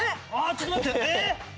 ちょっと待ってええっ！？